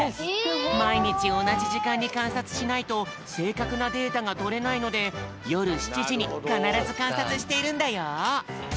まいにちおなじじかんにかんさつしないとせいかくなデータがとれないのでよる７じにかならずかんさつしているんだよ。